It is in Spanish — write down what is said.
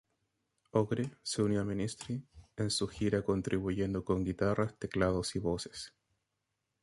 Ogre se unió a Ministry en su gira contribuyendo con guitarras, teclados y voces.